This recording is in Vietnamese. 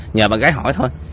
nhờ bạn gái hỏi thôi